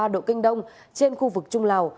một trăm linh sáu ba độ kinh đông trên khu vực trung lào